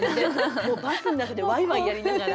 もうバスの中でワイワイやりながら。